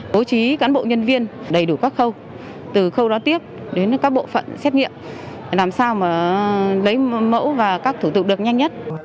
bố trí cán bộ nhân viên đầy đủ các khâu từ khâu đó tiếp đến các bộ phận xét nghiệm để làm sao mà lấy mẫu và các thủ tục được nhanh nhất